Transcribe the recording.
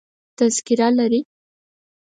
تذکره لرې؟